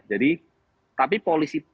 jadi tapi polisi